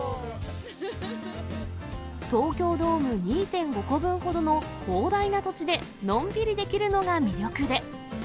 東京ドーム２．５個分ほどの広大な土地でのんびりできるのが魅力で。